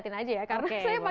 karena saya pakai ruk nih